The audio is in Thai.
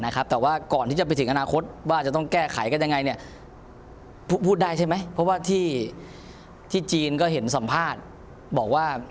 ครับก็กลับมาถึงประเทศไทยแล้ว